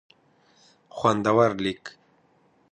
خوندور لیک